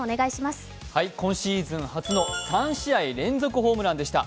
今シーズン初の３試合連続ホームランでした。